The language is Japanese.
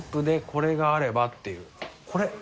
これ！